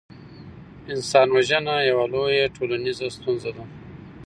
انسان وژنه یوه لویه ټولنیزه ستونزه ده.